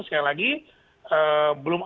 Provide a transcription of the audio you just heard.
sekali lagi belum